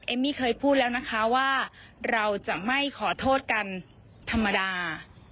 มี่เคยพูดแล้วนะคะว่าเราจะไม่ขอโทษกันธรรมดา